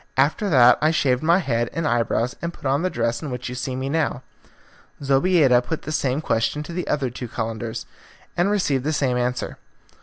After that I shaved my head and eyebrows and put on the dress in which you see me now." Zobeida put the same question to the other two Calenders, and received the same answer.